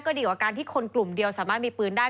ดีกว่าการที่คนกลุ่มเดียวสามารถมีปืนได้